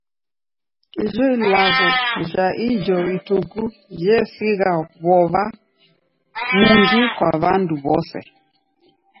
Ijo ilagho ja ijo ituku jesigha w'ow'a mungi kwa w'andu w'ose.